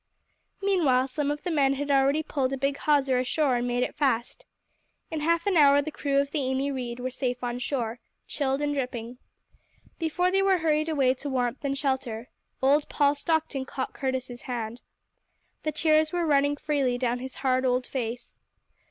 Meanwhile some of the men had already pulled a big hawser ashore and made it fast. In half an hour the crew of the Amy Reade were safe on shore, chilled and dripping. Before they were hurried away to warmth and shelter, old Paul Stockton caught Curtis's hand. The tears were running freely down his hard, old face.